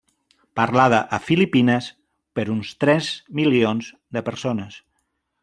Parlada a Filipines per uns tres milions de persones.